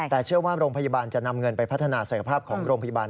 แต่เชื่อว่าโรงพยาบาลจะนำเงินไปพัฒนาศักยภาพของโรงพยาบาล